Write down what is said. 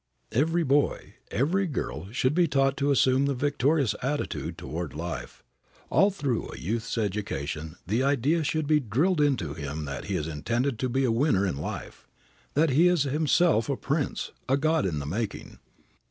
Every boy, every girl should be taught to assume the victorious attitude toward life. All through a youth's education the idea should be drilled into him that he is intended to be a winner in life, that he is himself a prince, a god in the making.